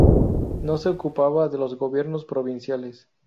No se ocupaba de los gobiernos provinciales.